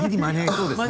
そうですね